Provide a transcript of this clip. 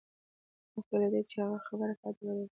مخکې له دې چې هغه خبره پای ته ورسوي